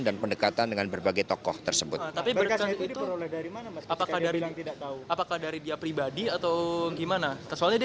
dan pendekatan dengan berbagai tokoh tersebut apakah dari dia pribadi atau gimana soalnya dia